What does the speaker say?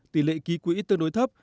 tỷ lệ ký quỹ tương đối thấp